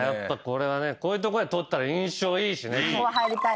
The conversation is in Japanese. こういうとこで取ったら印象いいしね。